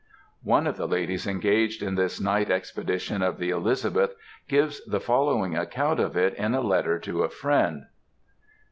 One of the ladies engaged in this night expedition of the Elizabeth gives the following account of it in a letter to a friend.